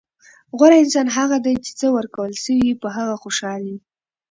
غوره انسان هغه دئ، چي څه ورکول سوي يي؛ په هغه خوشحال يي.